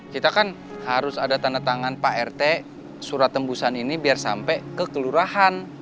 kita kan harus ada tanda tangan pak rt surat tembusan ini biar sampai ke kelurahan